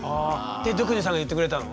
ドゥクニさんが言ってくれたの？